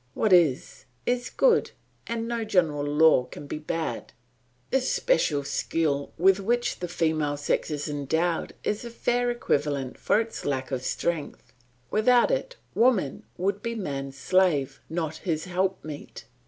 What is, is good, and no general law can be bad. This special skill with which the female sex is endowed is a fair equivalent for its lack of strength; without it woman would be man's slave, not his helpmeet.